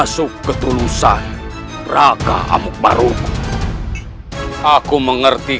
suatu saat nanti